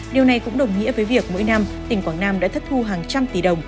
điều này cũng đồng nghĩa với việc mỗi năm tỉnh quảng nam đã thất thu hàng trăm tỷ đồng